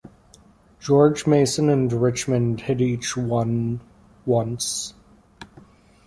George Mason and Richmond had each won once.